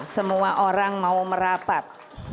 semua orang mau merapat